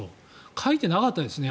書いてなかったんですね